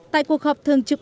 tại cuộc họp thường trực